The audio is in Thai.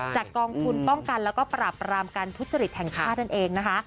กองทุนป้องกันแล้วก็ปราบรามการทุจริตแห่งชาตินั่นเองนะคะ